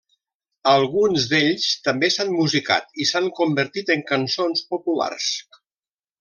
Alguns d'ells també s'han musicat i s'han convertit en cançons populars.